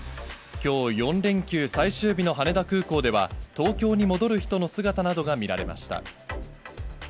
きょう、４連休最終日の羽田空港では、東京に戻る人の姿などが見られました。